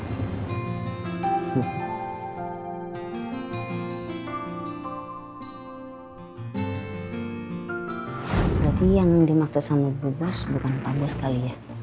berarti yang dimaksud sama bu bos bukan papa bos kali ya